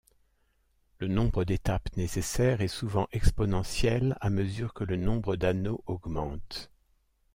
Le nombre d'étapes nécessaires est souvent exponentielle à mesure que le nombre d'anneau augmente.